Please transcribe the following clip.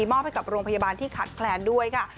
มอบให้กับโรงพยาบาลที่ขัดแคลนด้วยค่ะ